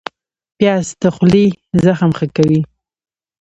پیاز د خولې زخم ښه کوي